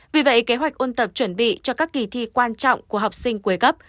vì vậy kế hoạch ôn tập chuẩn bị cho các kỳ thi quan trọng của học sinh cuối cấp